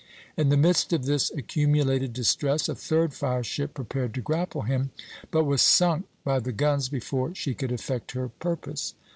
In the midst of this accumulated distress, a third fire ship prepared to grapple him, but was sunk by the guns before she could effect her purpose.